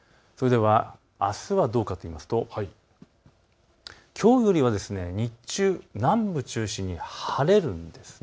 あすはどうかといいますときょうよりは日中、南部中心に晴れるんです。